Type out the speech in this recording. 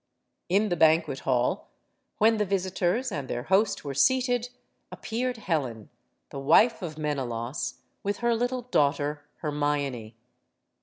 In the banquet hall, when the visitors and their host were seated, appeared Helen, the wife of Menelaus. with her little daughter, Hermoine.